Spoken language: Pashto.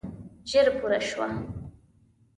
ژر پوره شوه.